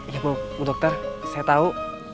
ya mau bu dokter saya tau